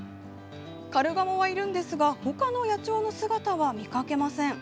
カルガモはいるんですが他の野鳥の姿は見かけません。